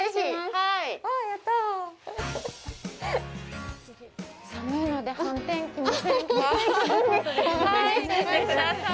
はい、着てください。